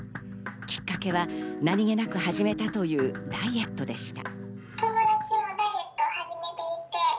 きっかけは何気なく始めたというダイエットでした。